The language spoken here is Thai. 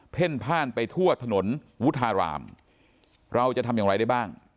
่นพ่านไปทั่วถนนวุฒารามเราจะทำอย่างไรได้บ้าง